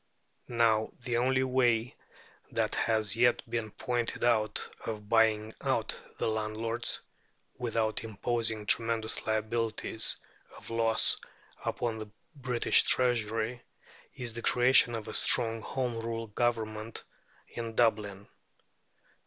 Now, the only way that has yet been pointed out of buying out the landlords, without imposing tremendous liabilities of loss upon the British Treasury, is the creation of a strong Home Rule Government in Dublin.